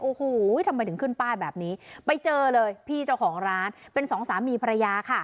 โอ้โหทำไมถึงขึ้นป้ายแบบนี้ไปเจอเลยพี่เจ้าของร้านเป็นสองสามีภรรยาค่ะ